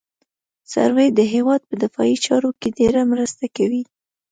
سروې د هېواد په دفاعي چارو کې ډېره مرسته کوي